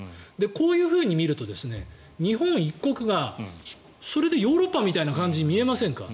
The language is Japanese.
こういうふうに見ると日本一国がそれでヨーロッパみたいな感じに見えませんか？